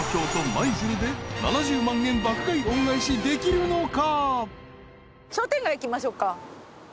舞鶴で７０万円爆買い恩返しできるのか？］